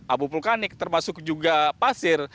abu vulkanik termasuk juga pasir